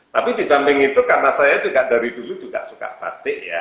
tapi di samping itu karena saya juga dari dulu juga suka batik ya